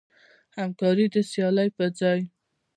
همکاري د سیالۍ پر ځای.